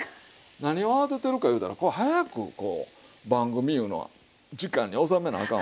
何を慌ててるかいうたら早くこう番組いうのは時間に収めなあかん。